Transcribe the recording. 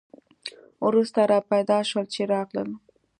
وروسته را پیدا شول چې راغلل.